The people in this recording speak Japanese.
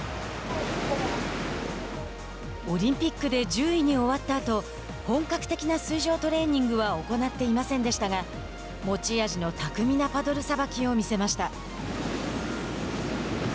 オリンピックで１０位に終わったあと本格的な水上トレーニングは行っていませんでしたが持ち味の巧なパドルさばきを見せました。